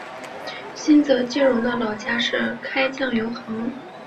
新泽基荣的老家是开酱油行。